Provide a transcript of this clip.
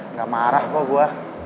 nggak marah kok gue